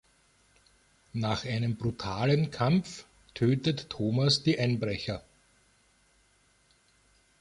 Nach einem brutalen Kampf tötet Thomas die Einbrecher.